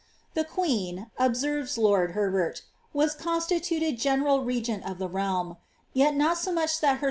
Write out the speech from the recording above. *" The queen," obser^'es lord Herbert, as constituted general regent of the realm, yet not so much that her